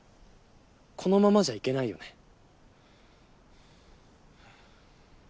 このままじゃいけないよね。